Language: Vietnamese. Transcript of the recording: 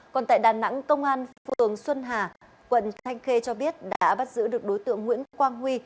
còn tại đà nẵng công an phường xuân hà quận thanh khê cho biết đã bắt giữ được đối tượng nguyễn quang huy